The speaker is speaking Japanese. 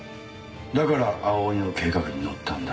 だから青鬼の計画に乗ったんだ。